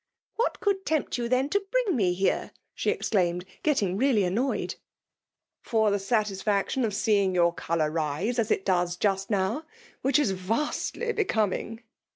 " What could tempt you> then, to bring me here !'* she exclaimed, getting really annoyed. '' For the satisfacticm of Seeing your colour rise us it does just now> — ^which is vastly be coming."